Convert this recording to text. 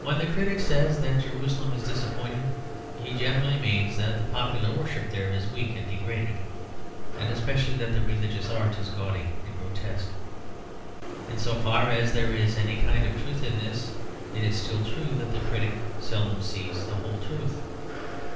When the critic says that Jerusalem is disappointing he generally means that the popular worship there is weak and degraded, and especially that the religious art is gaudy and grotesque. In so far as there is any kind of truth in this, it is still true that the critic seldom sees the whole truth.